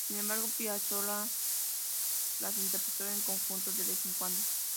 Sin embargo, Piazzolla las interpretó en conjunto de vez en cuando.